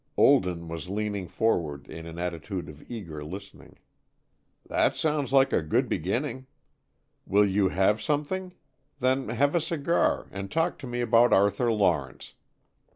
Olden was leaning forward in an attitude of eager listening. "That sounds like a good beginning. Will you have something ? Then have a cigar, and talk to me about Arthur Lawrence.